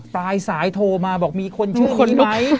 ปลายสายโทรมาบอกมีคนชื่อคนไหม